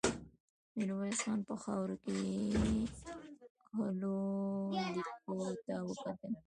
ميرويس خان په خاورو کې کښلو ليکو ته وکتل.